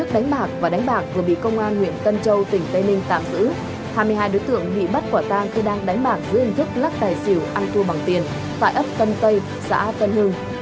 đánh bạc dưới hình thức lắc tài xỉu ăn thua bằng tiền tại ấp tân tây xã tân hương